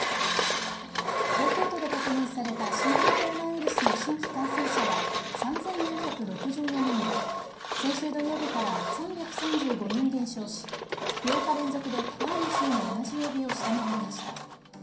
東京都で確認された新型コロナウイルスの新規感染者は３４６４人で先週土曜日から３３５人減少し８日連続で前の週の同じ曜日を下回りました。